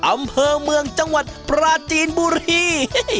อำเภอเมืองจังหวัดปราจีนบุรี